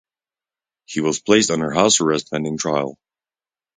He was placed under house arrest pending trial.